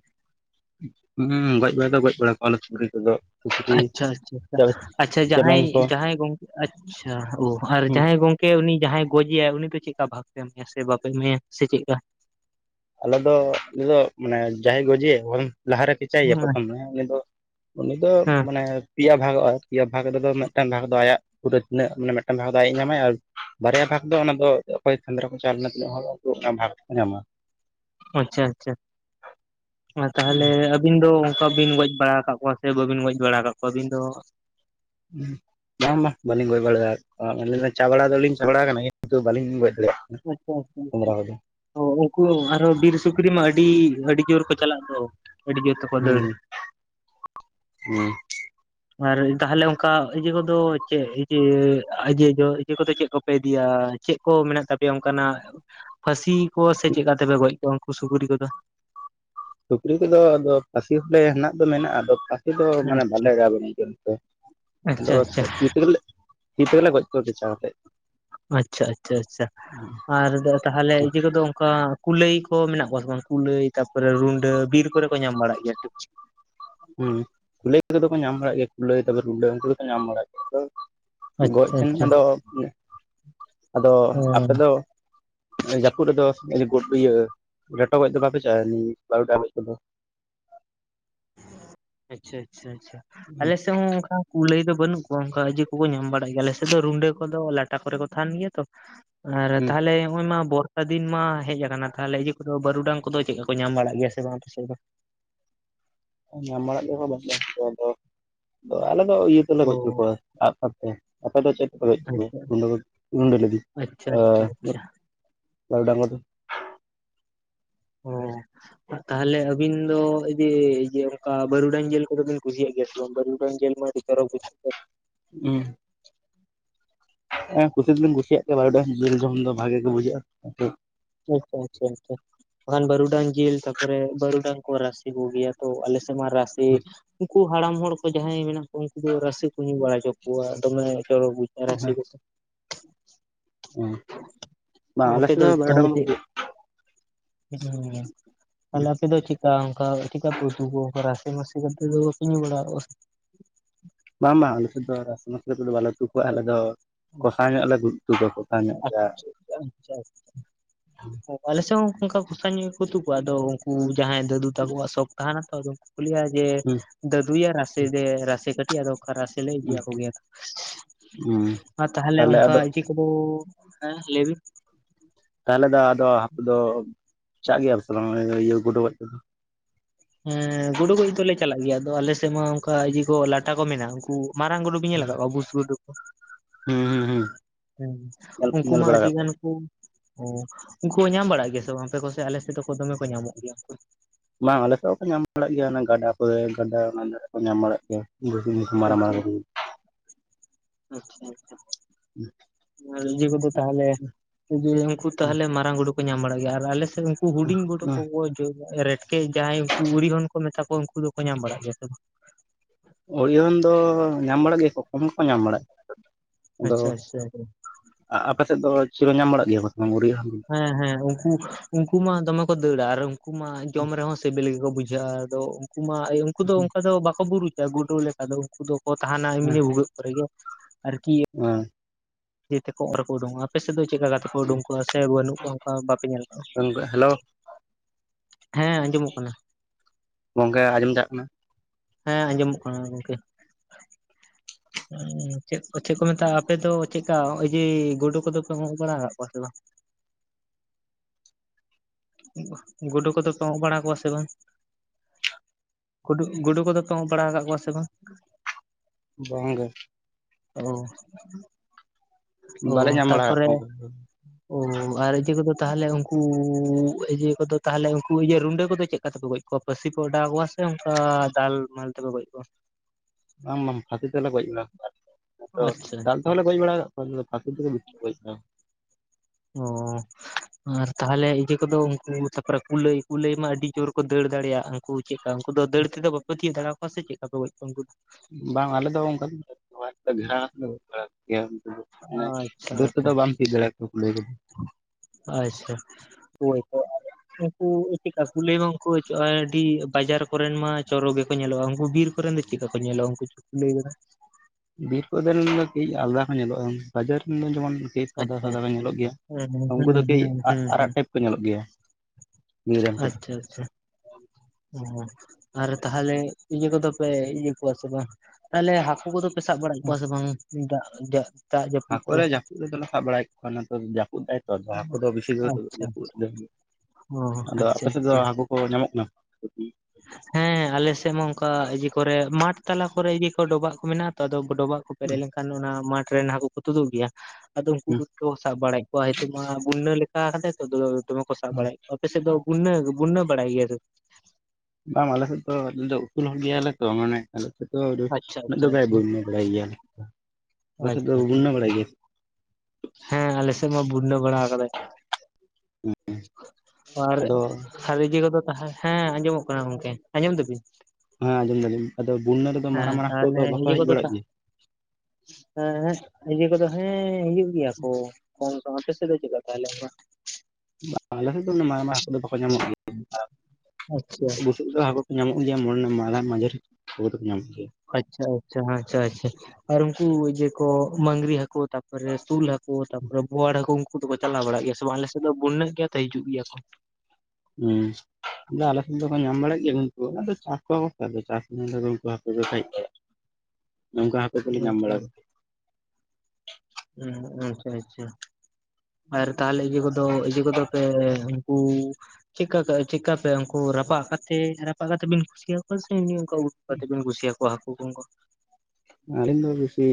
ᱦᱩᱸ ᱜᱚᱡ ᱵᱟᱲᱟ ᱫᱚ ᱜᱚᱡ ᱵᱟᱲᱟ ᱠᱚᱣᱟ ᱞᱮ ᱥᱩᱠᱨᱤ ᱠᱚᱫᱚ ᱥᱩᱠᱨᱤ ᱟᱪᱷᱟ ᱟᱪᱷᱟ ᱟᱪᱷᱟ ᱡᱟᱦᱟᱸᱭ ᱪᱮᱢᱮᱧ ᱠᱚ ᱡᱟᱦᱟᱸᱭ ᱜᱚᱝ ᱟᱪᱷᱟ ᱚ ᱟᱨ ᱦᱩᱸ ᱡᱟᱦᱟᱸᱭ ᱜᱚᱝᱠᱮ ᱩᱱᱤ ᱡᱟᱦᱟᱸᱭ ᱜᱚᱡᱮᱟᱭ ᱩᱱᱤ ᱫᱚ ᱪᱮᱫᱠᱟ ᱵᱷᱟᱵᱽ ᱛᱮᱢ ᱦᱮ ᱥᱮ ᱵᱟᱯᱮ ᱮᱢᱟᱹᱭᱟ ᱥᱮ ᱪᱮᱫ ᱞᱮᱠᱟ? ᱟᱞᱮ ᱫᱚ ᱩᱱᱤ ᱫᱚ ᱢᱟᱱᱮ ᱡᱟᱦᱟᱸᱭ ᱜᱚᱡᱮᱭᱟ ᱞᱟᱦᱟᱮ ᱠᱮᱪᱟᱭᱮᱭᱟ ᱦᱮᱸ ᱯᱨᱚᱛᱷᱚᱢ ᱫᱚ ᱩᱱᱤ ᱫᱚ ᱩᱱᱤ ᱫᱚ ᱦᱮᱸ ᱢᱟᱱᱮ ᱯᱮᱭᱟ ᱵᱷᱟᱜᱽᱚᱜᱼᱟ ᱯᱮᱭᱟ ᱵᱷᱟᱜᱽ ᱨᱮᱫᱚ ᱢᱤᱫᱴᱟᱝ ᱵᱷᱟᱜᱽ ᱫᱚ ᱟᱭᱟᱜ ᱯᱩᱨᱟᱹ ᱛᱤᱱᱟᱹᱜ ᱢᱟᱱᱮ ᱢᱤᱫᱴᱟᱝ ᱫᱷᱟᱣ ᱫᱚ ᱟᱭ ᱧᱟᱢᱟᱭ ᱟᱨ ᱵᱟᱨᱭᱟ ᱵᱷᱟᱜᱽ ᱫᱚ ᱚᱱᱟ ᱫᱚ ᱚᱠᱚᱭ ᱥᱮᱸᱫᱽᱨᱟ ᱠᱚ ᱪᱟᱣᱞᱮᱱᱟ ᱛᱤᱱᱟᱹᱜ ᱦᱚᱲ ᱩᱱᱠᱩ ᱚᱱᱟ ᱵᱷᱟᱜᱽᱠᱚ ᱧᱟᱢᱟ᱾ ᱟᱪᱪᱷᱟ ᱟᱪᱪᱷᱟ, ᱢᱟ ᱛᱟᱦᱚᱞᱮ ᱟᱹᱵᱤᱱ ᱫᱚ ᱚᱱᱠᱟ ᱵᱤᱱ ᱜᱚᱡ ᱵᱟᱲᱟ ᱠᱟᱜ ᱠᱚᱣᱟ ᱥᱮ ᱵᱟᱹᱵᱤᱱ ᱜᱚᱡ ᱵᱟᱲᱟ ᱟᱠᱟᱫ ᱠᱚᱣᱟ ᱟᱹᱵᱤᱱ ᱫᱚ? ᱵᱟᱝ ᱵᱟᱝ ᱵᱟᱹᱞᱤᱧ ᱜᱚᱡ ᱵᱟᱲᱟ ᱟᱠᱟᱫ ᱠᱚᱣᱟ, ᱟᱹᱞᱤᱧ ᱫᱚ ᱪᱟᱵᱲᱟ ᱫᱚᱞᱤᱧ ᱪᱟᱵᱲᱟ ᱟᱠᱟᱱᱟ᱾ ᱠᱤᱱᱛᱩ ᱵᱟᱹᱞᱤᱧ ᱜᱚᱡ ᱫᱟᱲᱮᱭᱟᱜ-ᱟ ᱟᱪᱪᱷᱟ ᱟᱪᱪᱷᱟ ᱟᱪᱪᱷᱟ᱾ ᱚ ᱩᱱᱠᱩ ᱟᱨᱦᱚᱸ ᱵᱤᱨ ᱥᱩᱠᱨᱤ ᱢᱟ ᱟᱹᱰᱤ ᱟᱹᱰᱤ ᱡᱳᱨ ᱠᱚ ᱪᱟᱞᱟᱜ ᱫᱚ ᱟᱹᱰᱤ ᱡᱳᱨ ᱛᱟᱠᱚ ᱦᱩᱸ ᱯᱟᱹᱫᱟᱹᱲ, ᱦᱩᱸ ᱟᱨ ᱛᱟᱦᱚᱞᱮ ᱚᱱᱠᱟ ᱤᱭᱟᱹ ᱠᱚᱫᱚ ᱪᱮᱫ ᱤᱭᱟᱹ ᱤᱡᱟᱹ ᱠᱚ ᱤᱡᱟᱹ ᱠᱚᱫᱚ ᱪᱮᱫ ᱠᱚ, ᱯᱮ ᱤᱫᱤᱭᱟ ᱪᱮᱫ ᱠᱚ ᱢᱮᱱᱟᱜ ᱛᱟᱯᱮ, ᱚᱱᱠᱟᱱᱟᱜ ᱯᱷᱟᱹᱥᱤ ᱠᱚ ᱥᱮ ᱪᱮᱫ ᱞᱮᱠᱟ ᱛᱮᱯᱮ ᱜᱚᱡ ᱠᱚᱣᱟ ᱩᱱᱠᱩ ᱥᱩᱠᱨᱤ ᱠᱚᱫᱚ, ᱥᱩᱠᱨᱤ ᱠᱚᱫᱚ ᱟᱫᱚ ᱯᱟᱹᱥᱤ ᱦᱚᱸᱞᱮ ᱦᱮᱱᱟᱜ ᱫᱚ ᱢᱮᱱᱟᱜ-ᱟ ᱟᱫᱚ, ᱥᱩᱠᱨᱤ ᱫᱚ ᱢᱟᱱᱮ ᱟᱪᱪᱷᱟ ᱵᱟᱞᱮ ᱜᱮᱭᱟ [unintelligible] [unintelligible] ᱟᱫᱚ ᱟᱪᱪᱷᱟ ᱟᱪᱪᱷᱟ ᱛᱤ ᱨᱮᱞᱮ, ᱛᱤ ᱛᱮᱜᱮᱞᱮ ᱜᱚᱡ ᱠᱚᱣᱟ ᱠᱤᱪᱟ ᱠᱟᱛᱮᱫ, ᱟᱪᱪᱷᱟ ᱟᱪᱪᱷᱟ ᱟᱪᱪᱷᱟ ᱟᱨ ᱛᱟᱦᱚᱞᱮ ᱤᱡᱟᱹ ᱠᱚᱫᱚ ᱚᱱᱠᱟ, ᱠᱩᱞᱟᱹᱭ ᱠᱚ ᱢᱮᱱᱟᱜ ᱠᱚᱣᱟ ᱥᱮ ᱵᱟᱝ ᱠᱩᱞᱟᱹᱭ ᱛᱟᱯᱚᱨᱮ ᱨᱩᱰᱟᱹ ᱵᱤᱨ ᱠᱚᱨᱮ ᱠᱚ ᱧᱟᱢ ᱵᱟᱲᱟᱜ ᱜᱮᱭᱟ᱾ ᱦᱩᱸ ᱠᱩᱞᱟᱹᱭ ᱠᱚᱫᱚ ᱠᱚ ᱧᱟᱢ ᱵᱟᱲᱟᱜ ᱜᱮᱭᱟ ᱠᱩᱞᱟᱹᱭ ᱛᱟᱯᱚᱨ ᱨᱩᱰᱟᱹ ᱩᱱᱠᱩ ᱫᱚᱠᱚ ᱧᱟᱢ ᱵᱟᱲᱟᱜ ᱜᱮᱭᱟ ᱛᱳ᱾ ᱜᱚᱭᱡ ᱟᱪᱪᱷᱟ ᱴᱷᱮᱱ ᱟᱪᱪᱷᱟ ᱟᱫᱚ ᱟᱫᱚ ᱚ ᱟᱯᱮ ᱫᱚ, ᱡᱟᱹᱯᱩᱫ ᱨᱮᱫᱚ ᱜᱩᱰ ᱤᱭᱟᱹ ᱞᱮᱴᱚ ᱜᱚᱭᱡ ᱫᱚ ᱵᱟᱯᱮ ᱪᱟᱞᱟᱜ-ᱟ, ᱵᱟᱹᱨᱩᱜᱰᱟᱝ ᱜᱚᱭᱡ ᱠᱚᱫᱚ, ᱟᱪᱪᱷᱟ ᱟᱪᱪᱷᱟ ᱟᱪᱪᱷᱟ, ᱟᱞᱮᱥᱮᱜ ᱦᱚᱸ ᱚᱱᱠᱟ ᱠᱩᱞᱟᱹᱭ ᱫᱚ ᱵᱟᱹᱱᱩᱜ ᱠᱚᱣᱟ ᱚᱱᱠᱟ ᱤᱭᱟᱹ, ᱩᱱᱠᱩ ᱠᱚ ᱧᱟᱢ ᱵᱟᱲᱟᱜ ᱜᱮᱭᱟ ᱟᱞᱮᱥᱮᱫ ᱫᱚ ᱨᱩᱸᱰᱟᱹ ᱠᱚᱫᱚ ᱞᱟᱴᱟ ᱠᱚᱨᱮ ᱠᱚ ᱛᱟᱸᱦᱮᱱ ᱜᱮᱭᱟ ᱛᱚ᱾ ᱟᱨ ᱛᱟᱦᱚᱞᱮ ᱱᱚᱜᱼᱚᱭ ᱢᱟ ᱵᱚᱨ, ᱥᱟᱫᱤᱱ ᱢᱟ ᱦᱮᱜ ᱟᱠᱟᱱᱟ ᱛᱟᱦᱚᱞᱮ ᱤᱭᱟᱹ ᱠᱚᱫᱚ ᱵᱟᱹᱨᱩᱰᱟᱝ ᱠᱚᱫᱚ ᱪᱮᱫᱠᱟ ᱠᱚ ᱧᱟᱢ ᱵᱟᱲᱟᱜ ᱜᱮᱭᱟ ᱥᱮ ᱵᱟᱝ ᱟᱯᱮ ᱥᱮᱫ ᱫᱚ? ᱧᱟᱢ ᱵᱟᱲᱟᱜ ᱜᱮᱭᱟ ᱠᱚ ᱵᱟᱹᱨᱩᱜᱰᱟᱝ ᱠᱚ ᱫᱚ ᱟᱞᱮ ᱫᱚ ᱤᱭᱟᱹ ᱛᱮᱞᱮ ᱜᱚᱡ ᱦᱚᱪᱚ ᱚ ᱠᱚᱣᱟ ᱟᱜ ᱥᱟᱨ ᱛᱮ, ᱟᱯᱮ ᱫᱚ ᱪᱮᱫ ᱛᱮᱯᱮ ᱜᱚᱭᱡ ᱠᱚ ᱜᱮᱭᱟ ᱟᱪᱪᱷᱟ [unintelligible] ᱨᱩᱸᱱᱰᱟᱹ ᱞᱟᱹᱜᱤᱛ ᱟᱪᱪᱷᱟ ᱟᱪᱪᱷᱟ ᱚᱸ, ᱟᱪᱪᱷᱟ ᱵᱟᱹᱨᱩᱜᱰᱟᱝ ᱠᱚ ᱫᱚ, ᱦᱮᱸ, ᱛᱟᱦᱚᱞᱮ ᱟᱹᱵᱤᱱ ᱫᱚ ᱡᱮ ᱡᱮ ᱚᱱᱠᱟ ᱵᱟᱹᱨᱩᱰᱟᱝ ᱡᱮᱞ ᱠᱚᱫᱚ ᱵᱤᱱ ᱠᱩᱥᱤᱭᱟᱜ ᱜᱮᱭᱟ ᱥᱮ ᱵᱟᱝ ᱵᱟᱹᱨᱩᱰᱟᱝ ᱡᱮᱞ ᱢᱟᱱᱮ ᱠᱤ᱾ ᱪᱚᱨᱚᱠ ᱵᱩᱡᱷᱟᱹᱣᱟᱜ-ᱟ᱾ ᱦᱩᱸ, ᱦᱮᱸ ᱠᱩᱥᱤ ᱫᱚᱞᱤᱧ ᱠᱩᱥᱤᱭᱟᱜ ᱜᱮᱭᱟ ᱵᱟᱹᱨᱩᱜᱰᱟᱝ ᱡᱤᱞ ᱡᱚᱢ ᱫᱚ ᱵᱷᱟᱜᱮ ᱜᱮ ᱵᱩᱡᱷᱟᱹᱜ-ᱟ᱾ ᱟᱪᱪᱷᱟ ᱟᱪᱪᱷᱟ ᱟᱪᱪᱷᱟ᱾ ᱵᱟᱠᱷᱟᱱ ᱵᱟᱹᱨᱩᱰᱟᱝ ᱡᱤᱞ ᱛᱟᱯᱚᱨᱮ ᱵᱟᱹᱨᱩᱰᱟᱝ ᱠᱚ ᱨᱟᱥᱮ ᱠᱚᱜᱮᱭᱟ ᱛᱚ ᱟᱞᱮᱥᱮᱫ ᱢᱟ ᱨᱟᱥ ᱥᱮ ᱩᱱᱠᱩ ᱦᱟᱲᱟᱢ ᱦᱚᱲ ᱠᱚ ᱡᱟᱦᱟᱸᱭ ᱢᱮᱱᱟᱜ ᱠᱚᱣᱟ, ᱩᱱᱠᱩ ᱫᱚ ᱨᱟᱥᱮ ᱠᱚ ᱧᱩ ᱵᱟᱲᱟ ᱦᱚᱪᱚ ᱠᱚᱣᱟ ᱫᱚᱢᱮ ᱪᱚᱨᱚᱠ ᱵᱩᱡᱷ, ᱨᱟᱥᱮ ᱠᱚ ᱥᱮ, ᱦᱩᱸ ᱵᱟᱝ ᱟᱞᱮ ᱥᱮᱜ ᱫᱚ [unintelligible] ᱦᱮᱸ ᱛᱟᱦᱚᱞᱮ ᱟᱯᱮ ᱫᱚ ᱪᱮᱫ ᱞᱮᱠᱟ ᱚᱱᱠᱟ ᱪᱮᱫ ᱞᱮᱠᱟ ᱯᱮ ᱩᱛᱩ ᱠᱚᱣᱟ ᱚᱱᱠᱟ ᱨᱟᱥᱮ ᱢᱟᱥᱮ ᱠᱟᱛᱮ ᱫᱚ, ᱤᱧ ᱵᱟᱲᱟ ᱚᱨ, ᱵᱟᱝ ᱵᱟᱝ ᱟᱞᱮᱥᱮᱫ ᱫᱚ ᱨᱟᱥᱮ ᱱᱟᱛᱮ ᱠᱚᱫᱚ ᱵᱟᱞᱮ ᱩᱛᱩ ᱠᱚᱣᱟ, ᱟᱞᱮ ᱫᱚ ᱠᱚᱥᱟᱣ ᱧᱚᱜ ᱞᱮ ᱩᱛᱩ ᱠᱟᱠᱚᱣᱟ᱾ ᱟᱪ ᱟᱪᱪᱷᱟ ᱟᱞᱮ ᱥᱮᱫ ᱦᱚᱸ ᱚᱱᱠᱟ ᱠᱚᱥᱟ ᱧᱚᱜ ᱜᱮᱠᱚ ᱩᱛᱩ ᱠᱚᱣᱟ, ᱟᱫᱚ ᱩᱱ ᱡᱟᱦᱟᱸᱭ ᱫᱟᱫᱩ ᱛᱟᱠᱚᱣᱟᱜ ᱥᱚᱠ ᱛᱟᱦᱮᱱᱟ ᱛᱚ ᱩᱱᱠᱩ ᱠᱚ ᱞᱟᱹᱭᱟ ᱡᱮ ᱦᱩᱸ ᱫᱟᱹᱫᱩᱭᱟ ᱨᱟᱥᱮ ᱫᱮ ᱨᱟᱥᱮ ᱠᱟᱹᱴᱤᱡ ᱟᱫᱚ ᱨᱟᱥᱮ ᱞᱮ ᱦᱩᱸ ᱤᱫᱤᱭᱟᱠᱚ ᱜᱮᱭᱟ ᱦᱩᱸ ᱟᱨ ᱛᱟᱦᱚᱞᱮ ᱛᱟᱦᱞᱮ ᱚᱱᱠᱟ ᱟᱫᱚ ᱤᱡᱟᱹ ᱠᱚᱫᱚ ᱦᱮᱸ ᱞᱟᱹᱭ ᱵᱤᱱ ᱛᱟᱦᱚᱞᱮ ᱫᱚ ᱟᱫᱚ ᱦᱟᱹᱠᱩ ᱫᱚ ᱪᱟᱜ ᱜᱮᱭᱟ ᱥᱮ ᱵᱟᱝ ᱤᱭᱟᱹ ᱜᱩᱰᱩ ᱜᱚᱡ ᱠᱚ ᱫᱚ? ᱦᱮᱸ ᱜᱩᱰᱩ ᱜᱚᱡ ᱫᱚᱞᱮ ᱪᱟᱞᱟᱜ ᱜᱮᱭᱟ ᱟᱫᱚ ᱟᱞᱮ ᱥᱮᱫ ᱢᱟ ᱚᱱᱠᱟ ᱤᱭᱟᱹ ᱠᱚ ᱞᱟᱴᱟ ᱠᱚ ᱢᱮᱱᱟᱜᱼᱟ ᱩᱱᱠᱩ ᱢᱟᱨᱟᱝ ᱜᱩᱰᱩ ᱧᱮᱞ ᱟᱠᱟᱜ ᱠᱚᱣᱟ ᱵᱩᱥ ᱜᱩᱰᱩ ᱠᱚ ᱦᱩᱸ ᱦᱩᱸ ᱦᱩᱸ ᱦᱮᱸ ᱧᱮᱞ ᱩᱱᱠᱩ ᱧᱮᱞ ᱢᱟ ᱵᱟᱲᱟ ᱟᱹᱰᱤ ᱠᱟᱜ ᱠᱚᱣᱟ ᱜᱟᱱ ᱠᱩ ᱚ ᱩᱱᱠᱩ ᱦᱚᱸ ᱧᱟᱢ ᱵᱟᱲᱟᱜ ᱜᱮᱭᱟ? ᱥᱮ ᱵᱟᱝ ᱟᱯᱮ ᱠᱚᱥᱮ ᱟᱞᱮ ᱥᱮᱫ ᱫᱚ ᱫᱚᱢᱮ ᱠᱚ ᱧᱟᱢᱚᱜ ᱜᱮᱭᱟ᱾ ᱵᱟᱝ ᱟᱞᱮ ᱥᱮᱫ ᱦᱚᱸᱠᱚ ᱧᱟᱢ ᱵᱟᱲᱟᱜ ᱜᱮᱭᱟ ᱜᱟᱰᱟ ᱠᱚᱨᱮ ᱜᱟᱰᱟ ᱚᱱᱟ ᱠᱚᱨᱮ ᱧᱟᱢ ᱵᱟᱲᱟᱜ ᱜᱮᱭᱟ᱾ ᱢᱟᱨᱟᱝ ᱟᱪᱪᱟ ᱢᱟᱨᱟᱝ ᱠᱚ ᱟᱪᱪᱷᱟ ᱟᱨ ᱤᱡᱟᱹ ᱠᱚᱫᱚ ᱛᱟᱦᱚᱞᱮ ᱡᱩᱫᱤ ᱩᱱᱠᱩ ᱛᱟᱦᱚᱞᱮ ᱢᱟᱨᱟᱝ ᱜᱩᱰᱩ ᱠᱚ ᱧᱟᱢ ᱵᱟᱲᱟᱜ ᱜᱮᱭᱟ, ᱟᱨ ᱟᱞᱮ, ᱥᱮ ᱩᱱᱠᱩ ᱦᱩᱰᱤᱝ ᱜᱩᱰᱩ ᱠᱚ ᱜᱚᱡ ᱨᱮᱴᱠᱮᱡ ᱡᱟᱦᱟᱸᱭ ᱩᱱᱠᱩ ᱩᱨᱤᱡᱦᱚᱱ ᱦᱚᱱ ᱠᱚ ᱢᱮᱛᱟ ᱠᱚᱣᱟ ᱩᱱᱠᱩ ᱫᱚᱠᱚ ᱧᱟᱢ ᱵᱟᱲᱟᱜ ᱜᱮᱭᱟ ᱥᱮ ᱵᱟᱝ? ᱩᱨᱤᱡᱦᱚᱱ ᱫᱚ ᱧᱟᱢ ᱵᱟᱲᱟᱜ ᱜᱮᱭᱟᱠᱚ ᱠᱚᱢ ᱜᱮᱠᱚ ᱧᱟᱢ ᱵᱟᱲᱟᱜ ᱜᱮᱭᱟ ᱟᱫᱚ ᱟᱪᱪᱷᱟ ᱟᱪᱪᱷᱟ ᱟᱯᱮ ᱥᱮᱫ ᱫᱚ ᱪᱤᱨ ᱦᱚᱸ ᱧᱟᱢ ᱵᱟᱲᱟᱜ ᱜᱮᱭᱟ ᱥᱮ ᱵᱟᱝ ᱩᱨᱤᱡᱦᱚᱱ ᱦᱮᱸ ᱦᱮᱸ ᱩᱱᱠᱩ ᱩᱱᱠᱩ ᱢᱟ ᱫᱚᱢᱮ ᱠᱚ ᱫᱟᱹᱲᱟ ᱟᱨ ᱩᱱᱠᱩ ᱢᱟ ᱡᱚᱢ ᱨᱮᱦᱚᱸ ᱥᱤᱵᱤᱞ ᱜᱮᱠᱚ ᱵᱩᱡᱷᱟᱹᱜᱼᱟ᱾ ᱟᱫᱚ ᱩᱱᱠᱩ ᱢᱟ ᱩᱱᱠᱩ ᱫᱚ ᱚᱱᱠᱟ ᱫᱚ ᱵᱟᱠᱚ ᱵᱩᱨᱩᱡ ᱜᱩᱰᱩ ᱞᱮᱠᱟ ᱫᱚ ᱩᱱᱠᱩ ᱫᱚᱠᱚ ᱛᱟᱦᱮᱱᱟ ᱮᱢᱱᱤ ᱵᱷᱩᱜᱟᱹᱜ ᱠᱚᱨᱮᱜ ᱜᱮ᱾ ᱟᱨᱠᱤ ᱦᱮᱸ ᱡᱮᱛᱮᱠᱚ ᱚᱜ ᱨᱮᱠᱚ ᱩᱰᱩᱝᱚᱜ ᱟᱯᱮᱥᱮᱫ ᱫᱚ ᱪᱮᱫ ᱞᱮᱠᱟ ᱠᱟᱛᱮ ᱯᱮ ᱩᱰᱩᱝᱚᱜᱼᱟ ᱥᱮ ᱵᱟᱹᱱᱩᱜ ᱠᱚᱣᱟ ᱚᱱᱠᱟ ᱵᱟᱯᱮ ᱧᱮᱞ ᱠᱚᱣᱟ ᱦᱮᱞᱳ ᱦᱮᱞᱳ ᱦᱮᱸ ᱟᱸᱡᱚᱢᱚᱜ ᱠᱟᱱᱟ ᱜᱚᱝᱠᱮ ᱟᱸᱡᱚᱢ ᱪᱟᱜ ᱠᱟᱱᱟ? ᱦᱮᱸ ᱟᱸᱡᱚᱢᱚᱜ ᱠᱟᱱᱟ ᱜᱚᱝᱠᱮ ᱪᱮᱫ ᱠᱚ ᱢᱮᱛᱟᱜᱼᱟ, ᱟᱯᱮ ᱫᱚ ᱪᱮᱫ ᱞᱮᱠᱟ ᱱᱚᱼᱚᱭ ᱡᱮ ᱜᱩᱰᱩ ᱠᱚᱫᱚ ᱯᱮ ᱚᱸᱜ ᱵᱟᱲᱟ ᱟᱠᱟᱫ ᱠᱚᱣᱟ ᱥᱮ ᱵᱟᱝ? ᱜᱩᱰᱩ ᱠᱚᱫᱚ ᱯᱮ ᱚᱸᱜ ᱵᱟᱲᱟ ᱠᱚᱣᱟ ᱥᱮ ᱵᱟᱝ ᱜᱩᱰᱩ ᱜᱩᱰᱩ ᱠᱚᱫᱚ ᱠᱚᱫᱚ ᱯᱮ ᱚᱸᱜ ᱵᱟᱲᱟ ᱟᱠᱟᱫ ᱠᱚᱣᱟ ᱥᱮ ᱵᱟᱝ? ᱵᱟᱝ ᱜᱮ ᱚ, ᱚ ᱵᱟᱞᱮ ᱧᱟᱢ ᱛᱟ ᱵᱟᱲᱟ ᱟᱠᱟᱫ ᱯᱚᱨᱮ ᱠᱚᱣᱟ ᱩᱱᱠᱩ ᱫᱚ ᱚ ᱟᱨ ᱤᱭᱟᱹ ᱠᱚᱫᱚ ᱛᱟᱦᱚᱞᱮ ᱩᱱᱠᱩ ᱩᱱ ᱤᱭᱟᱹ ᱠᱚᱫᱚ ᱛᱟᱦᱚᱞᱮ ᱩᱱᱠᱩ ᱤᱭᱟᱹ ᱨᱩᱸᱰᱟᱹ ᱠᱚᱫᱚ ᱪᱮᱫ ᱠᱟ ᱛᱮᱯᱚ ᱜᱚᱡ ᱠᱚᱣᱟ ᱯᱟᱹᱥᱤ ᱯᱚ ᱚᱰᱟᱣ ᱠᱚᱣᱟ ᱥᱮ ᱚᱱᱠᱟ ᱫᱟᱞ ᱢᱟᱞ ᱜᱚᱡ ᱠᱚᱣᱟ ᱵᱟᱝ ᱵᱟᱝ ᱯᱷᱟᱥᱤ ᱛᱮᱞᱮ ᱜᱚᱡ ᱵᱟᱲᱟ ᱠᱟᱫ ᱠᱚᱣᱟ ᱟᱪᱪᱷᱟ ᱫᱟᱞ ᱛᱮᱦᱚᱸᱞᱮ ᱜᱚᱡ ᱵᱟᱲᱟ ᱠᱟᱜᱼᱼ ᱯᱷᱟᱹᱥᱤ ᱛᱮᱜᱮ ᱡᱟᱹᱥᱛᱤᱢ ᱞᱮ ᱜᱚᱡ ᱵᱟᱲᱟ ᱚ ᱟᱨ ᱛᱟᱦᱞᱮ ᱤᱡᱟᱹ ᱠᱚᱫᱚ ᱩᱱᱠᱩ ᱛᱟᱯᱚᱨᱮ ᱠᱩᱞᱟᱹᱭ ᱠᱩᱞᱟᱹᱭ ᱢᱟ ᱟᱹᱰᱤ ᱡᱳᱨ ᱠᱚ ᱫᱟᱹᱲ ᱫᱟᱲᱮᱭᱟᱜᱼᱟ᱾ ᱩᱱᱠᱩ ᱪᱮᱫᱠᱟ ᱩᱱᱠᱩ ᱫᱚ ᱫᱟᱹᱲ ᱛᱮᱫᱚ ᱵᱟᱝ ᱯᱮ ᱛᱤᱭᱳ ᱫᱟᱲᱮᱭᱟ ᱠᱚᱣᱟ ᱥᱮ ᱪᱮᱫᱠᱟ ᱠᱚᱮᱚᱡ ᱠᱚᱣᱟ ᱩᱱᱠᱩ ᱵᱟᱝ ᱟᱞᱮ ᱫᱚ ᱚᱱᱠᱟ [unintelligible] ᱟᱪᱪᱷᱟ ᱫᱟᱹᱲ ᱟᱪᱪᱷᱟ ᱛᱮᱫᱚ ᱵᱟᱢ ᱜᱤᱭᱟᱹᱜ ᱫᱟᱲᱮᱭᱟ ᱠᱚᱣᱟ ᱛᱩᱞᱟᱹᱫᱚ᱾ ᱟᱪᱪᱷᱟ [unintelligible] ᱩᱱᱠᱩ ᱩᱯᱤᱠᱟ ᱠᱩᱞᱤ ᱦᱚᱸ ᱵᱟᱝ ᱠᱚ ᱦᱤᱡᱩᱜᱼᱟ ᱟᱹᱰᱤ, ᱵᱟᱡᱟᱨ ᱠᱚᱨᱮᱱ ᱢᱟ ᱪᱚᱨᱚᱠ ᱜᱮᱠᱚ ᱧᱮᱞᱚᱜᱼᱟ ᱩᱱᱠᱩ ᱵᱤᱨᱼᱼ ᱚ ᱠᱚᱨᱮᱱ ᱫᱚ ᱪᱮᱫᱠᱟ ᱠᱚ ᱧᱮᱞᱟ ᱩᱱᱠᱩ ᱞᱟᱹᱭᱮᱫᱟ ᱵᱤᱨ ᱠᱚᱨᱮᱱ ᱫᱚ ᱠᱟᱹᱡ ᱟᱞᱟᱫᱟ ᱦᱚᱸ ᱧᱮᱞᱚᱜᱼᱟ, ᱵᱟᱡᱟᱨ ᱨᱮᱱ ᱫᱚ ᱡᱮᱢᱚᱱ ᱠᱟᱹᱡ ᱥᱟᱫᱟ ᱟᱪᱪᱷᱟ ᱥᱟᱫᱟ ᱠᱚ ᱧᱮᱞᱚᱜ ᱜᱮᱭᱟ ᱦᱮᱸ ᱦᱮᱸ ᱩᱱᱠᱩ ᱦᱮᱸ ᱫᱚ ᱠᱟᱹᱡ ᱦᱮᱸ ᱦᱮᱸ ᱟᱨᱟᱜ ᱦᱮᱸ ᱴᱟᱭᱤᱯ ᱠᱚ ᱧᱮᱞᱚᱜ ᱜᱮᱭᱟ ᱵᱤᱨ ᱨᱮᱱ ᱠᱚᱫᱚ ᱟᱪᱪᱷᱟ ᱟᱪᱪᱷᱟ ᱚ ᱟᱨ ᱛᱟᱦᱚᱞᱮ ᱤᱭᱟᱹ ᱠᱚ ᱫᱚ ᱯᱮ ᱤᱭᱟᱹ ᱠᱚᱣᱟ ᱥᱮ ᱵᱟᱝ ᱛᱟᱦᱚᱞᱮ ᱦᱟᱹᱠᱩ ᱠᱚᱫᱚ ᱯᱮ ᱥᱟᱵ ᱵᱟᱲᱟᱮᱫ ᱠᱚᱣᱟ ᱥᱮ ᱵᱟᱝ? ᱫᱟᱜ ᱦᱟᱹᱳ ᱨᱮ ᱡᱟᱹᱯᱩᱫ ᱨᱮᱫᱚ ᱞᱮ ᱥᱟᱵ ᱵᱟᱲᱟᱭᱮᱫ ᱠᱚᱣᱟ ᱱᱚᱛᱮ ᱡᱟᱹᱯᱩᱫ ᱫᱟᱭ ᱛᱚ ᱦᱟᱹᱠᱩ ᱫᱚ ᱵᱤ ᱠᱚ ᱛᱩᱯᱩᱜ ᱟᱪᱪᱷᱟ ᱜᱮᱭᱟ ᱠᱚ ᱼᱼ ᱚ ᱟᱫᱚ ᱟᱪᱪᱷᱟ ᱟᱯᱮ ᱥᱮᱫ ᱫᱚ ᱟᱪᱪᱷᱟ ᱦᱟᱹᱠᱩ ᱠᱚ ᱧᱟᱢᱚᱜ ᱠᱟᱱᱟ᱾ ᱦᱮᱸ ᱟᱞᱮ ᱥᱮᱫ ᱢᱟ ᱚᱱᱠᱟ ᱤᱭᱟᱹ ᱠᱚᱨᱮ ᱢᱟᱴᱷ ᱛᱟᱞᱟ ᱤᱭᱟ. ᱠᱚ ᱰᱚᱵᱟᱜ ᱠᱚ ᱢᱮᱱᱟᱜ ᱟᱫᱚ ᱰᱚᱵᱟᱜ ᱠᱚ ᱯᱮᱨᱮᱡ ᱞᱮᱱᱠᱷᱟᱱ ᱚᱱᱟ ᱢᱟᱴᱷ ᱨᱮᱱ ᱦᱟᱠᱩ ᱠᱚ ᱛᱩᱫᱩᱜ ᱜᱮᱭᱟ ᱟᱫᱚ ᱩᱱᱠᱩ ᱦᱩᱸ ᱠᱚᱠᱚ ᱥᱟᱵ ᱵᱟᱲᱟᱭᱮᱫ ᱾ ᱱᱤᱛᱚ ᱢᱟ ᱵᱩᱱᱱᱟᱹ ᱞᱮᱠᱟ ᱦᱟᱛᱮ ᱫᱚᱢᱮ ᱠᱚ ᱥᱟᱵ ᱵᱟᱲᱟᱭᱮᱫ ᱠᱚᱣᱟ ᱾ ᱟᱯᱮ ᱥᱮᱫ ᱫᱚ ᱵᱩᱱᱱᱟᱹ ᱵᱩᱱᱱᱟᱹ ᱵᱟᱲᱟᱭ ᱜᱮᱭᱟ? ᱵᱟ ᱟᱞᱮᱥᱮᱫ ᱫᱚ ᱫᱚ ᱩᱥᱩᱞ ᱦᱚᱲ ᱜᱮᱭᱟᱞᱮ ᱛᱚ, ᱢᱟᱱᱮᱼᱼ ᱟᱞᱮ ᱥᱮᱫ ᱫᱚ ᱟᱪᱪᱷᱟ ᱩᱱᱟᱹᱜ ᱟᱪᱪᱷᱟ ᱵᱟᱭ ᱟᱪᱪᱷᱟ ᱵᱩᱱᱱᱟᱹ ᱵᱟᱰᱟᱭ ᱜᱮᱭᱟ, ᱟᱯᱮ ᱥᱮᱫ ᱫᱚ ᱟᱪᱪᱷᱟ ᱵᱩᱱᱱᱟᱹ ᱵᱟᱰᱟᱭ ᱜᱮᱭᱟ? ᱦᱮᱸ ᱟᱞᱮ ᱥᱮᱫ ᱢᱟ ᱵᱩᱱᱱᱟᱹᱣ ᱵᱟᱲᱟ ᱟᱠᱟᱫᱟᱭ, ᱟᱨᱼᱼ ᱟᱫᱚ ᱠᱷᱟᱞᱤ ᱤᱭᱟᱹ ᱠᱚᱫᱚ ᱦᱮᱸ ᱟᱸᱡᱚᱢᱚᱜ ᱠᱟᱱᱟ ᱜᱚᱝᱠᱮ ᱾ ᱟᱸᱡᱚᱢ ᱫᱟᱵᱤᱱ? ᱦᱮᱸ ᱟᱸᱡᱚᱢ ᱫᱟᱞᱤᱧ ᱟᱫᱚ ᱵᱩᱱᱱᱟᱹ ᱨᱮᱫᱚ ᱦᱮᱸ ᱢᱟᱨᱟᱝ ᱢᱟᱨᱟᱝ ᱦᱟᱠᱩ ᱫᱚ ᱵᱟᱠᱚ ᱦᱮᱡ ᱵᱟᱲᱟᱜ ᱜᱮᱭᱟ ᱾ ᱦᱮᱸᱮ ᱤᱭᱟᱹᱠᱚᱫᱚ ᱦᱮᱸᱻ ᱦᱤᱡᱩᱜ ᱜᱮᱭᱟ ᱠᱚ ᱠᱚᱢ ᱾ ᱟᱯᱮ ᱥᱮᱫ ᱫᱚ ᱪᱮᱛᱠᱟ ᱛᱟᱦᱚᱞᱮ ᱰᱤᱢᱟᱱᱰ? ᱵᱟᱞᱮ ᱥᱮᱫ ᱫᱚ ᱢᱟᱦᱜᱟ ᱦᱟᱹᱠᱩ ᱫᱚ ᱵᱟᱠᱚ ᱧᱟᱢᱚᱜᱼᱟ᱾ ᱟᱪᱪᱷᱟ ᱛᱚᱜ ᱫᱚ ᱦᱟᱠᱩ ᱠᱚ ᱧᱟᱢᱚᱜ ᱜᱮᱭᱟ, ᱢᱚᱬᱟ ᱢᱟᱡᱷᱮᱨ ᱫᱚᱠᱚ ᱧᱟᱢᱚᱜ ᱜᱮᱭᱟ ᱾ ᱟᱪᱪᱷᱟ ᱟᱪᱪᱷᱟ ᱟᱪᱪᱷᱟ ᱟᱪᱪᱷᱟ ᱟᱨ ᱩᱝᱠᱩ ᱡᱮᱠᱚ ᱢᱟᱹᱝᱜᱽᱨᱤ ᱦᱟᱹᱠᱩ ᱛᱟᱯᱚᱨᱮ ᱥᱩᱞ ᱦᱟᱠᱩ ᱛᱟᱯᱚᱨᱮ ᱵᱚᱣᱟᱲ ᱦᱟᱠᱩ ᱪᱟᱞᱟᱣ ᱵᱟᱲᱟᱜ ᱜᱮᱭᱟ ᱥᱮ ᱵᱟᱝ ᱟᱞᱮ ᱥᱮᱡ ᱟᱫᱚ ᱵᱩᱱᱱᱟᱹ ᱜᱮᱭᱟ ᱛᱚ ᱦᱤᱡᱩᱜ ᱜᱮᱭᱟ ᱠᱚ᱾ ᱦᱩᱸ ᱟᱫᱚ ᱟᱞᱮ ᱥᱮᱱ ᱫᱚᱠᱚ ᱧᱟᱢ ᱵᱟᱲᱟᱜ ᱜᱮᱭᱟ ᱩᱝᱠᱩ ᱟᱫᱚ ᱪᱟᱥ ᱠᱚ [unintelligible] ᱪᱟᱥᱠᱩ [unintelligible] ᱱᱚᱝᱠᱟ ᱦᱟᱹᱠᱩ ᱠᱚᱞᱮ ᱧᱟᱢ ᱟᱪᱪᱷᱟ ᱵᱟᱲᱟ ᱦᱩᱸ ᱟᱪᱪᱷᱟ ᱟᱪᱪᱷᱟ ᱟᱨ ᱛᱟᱦᱞᱮ ᱤᱭᱟᱹ ᱠᱚᱫᱚ ᱤᱭᱟᱹ ᱠᱚᱫᱚ ᱯᱮ ᱩᱝᱠᱩ ᱪᱮᱫᱠᱟ ᱪᱮᱫᱠᱟ ᱯᱮ ᱩᱱᱠᱩ ᱨᱟᱯᱟᱜ ᱠᱟᱛᱮ ᱨᱟᱯᱟᱜ ᱠᱟᱛᱮ ᱵᱤᱱ ᱠᱩᱥᱤᱭᱟᱠᱚᱣᱟ ᱥᱮ ᱮᱢᱱᱤ ᱚᱱᱠᱟ ᱩ ᱠᱟᱛᱮ ᱵᱤᱱ ᱠᱩᱥᱤᱭᱟᱠᱚᱣᱟ ᱦᱟᱠᱩ ᱠᱩᱝᱠᱚ ᱟᱹᱞᱤᱧ ᱫᱚ ᱵᱮᱥᱤ